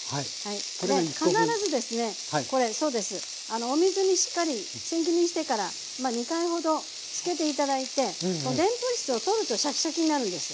あのお水にしっかりせん切りにしてから２回ほどつけて頂いてこうでんぷん質を取るとシャキシャキになるんです。